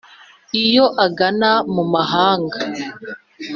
iyo agana mu mahanga